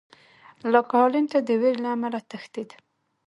لاک هالېنډ ته د وېرې له امله تښتېد.